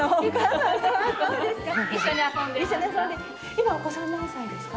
今お子さん何歳ですか？